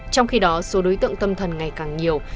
trong khi đó số đối tượng tâm thần ngày càng nhiều